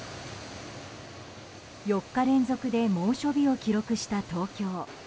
４日連続で猛暑日を記録した東京。